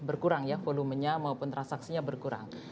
berkurang ya volumenya maupun transaksinya berkurang